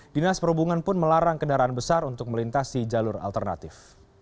dinas perhubungan pun melarang kendaraan besar untuk melintasi jalur alternatif